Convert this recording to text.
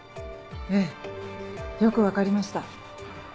ええよく分かりました。